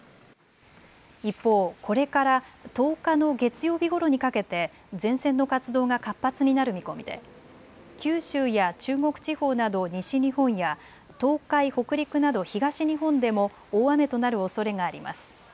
一方、これから１０日の月曜日ごろにかけて前線の活動が活発になる見込みで九州や中国地方など西日本や東海、北陸など東日本でも大雨となるおそれがあります。